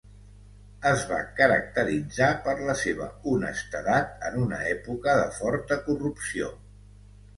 Es va caracteritzar per la seva honestedat en una època de forta corrupció.